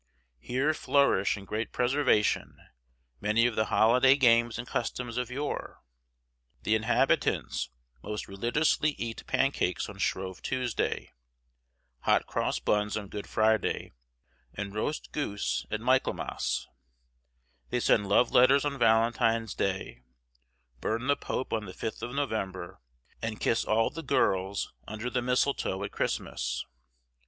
Here flourish in great preservation many of the holiday games and customs of yore. The inhabitants most religiously eat pancakes on Shrove Tuesday, hot cross buns on Good Friday, and roast goose at Michaelmas; they send love letters on Valentine's Day, burn the Pope on the Fifth of November, and kiss all the girls under the mistletoe at Christmas.